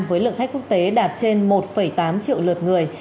với lượng khách quốc tế đạt trên một tám triệu lượt người